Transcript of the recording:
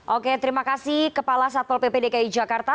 oke terima kasih kepala satpol pp dki jakarta